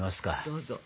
どうぞ。